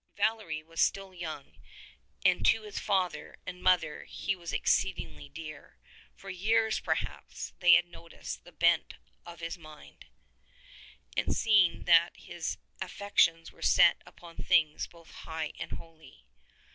Valery was still young, and to his father and mother he was exceedingly dear. For years, perhaps, they 133 had noticed the bent of his mind, and had seen that his affec tions were set upon things both high and holy.